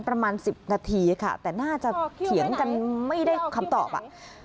ประมาณ๑๐นาทีค่ะแต่น่าจะเถียงกันไม่ได้คำตอบอ่ะ